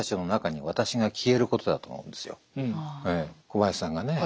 小林さんがね